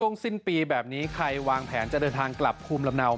สิ้นปีแบบนี้ใครวางแผนจะเดินทางกลับภูมิลำเนา